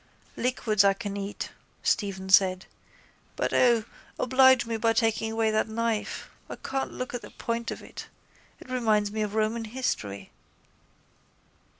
—Liquids I can eat, Stephen said. But O, oblige me by taking away that knife. I can't look at the point of it. It reminds me of Roman history.